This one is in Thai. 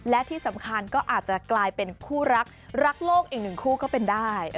และที่สำคัญก็อาจจะกลายเป็นคู่รักรักโลกอีกหนึ่งคู่ก็เป็นได้